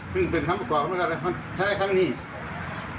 เป็นความจริงขอให้ศพ